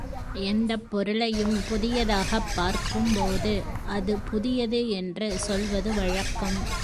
எந்தப் பொருளையும் புதியதாகப் பார்க்கும்போது அது புதியது என்று சொல்வது வழக்கம்.